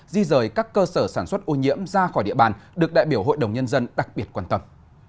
di rời các cơ sở sản xuất ô nhiễm ra khỏi địa bàn được đại biểu hội đồng nhân dân đặc biệt quan tâm